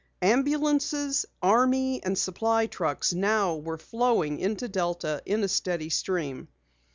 Ambulances, army and supply trucks now were flowing into Delta in a steady stream.